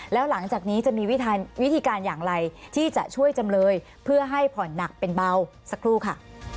แล้วหลังจากนี้จะมีวิธีการอย่างไรที่จะช่วยจำเลยเพื่อให้ผ่อนหนักเป็นเบาสักครู่ค่ะ